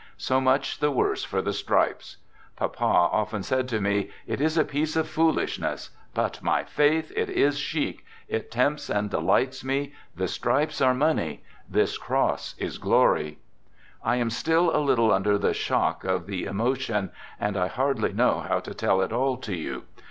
So much the worse for the stripes! Papa often said to me: "It is a piece of foolishness; but, my faith, it is 28 "THE GOOD SOLDIER chic, it tempts and delights me; the stripes are money, this cross is glory." I am still a little under the shock of the emotion, and I hardly know how to tell it all to you.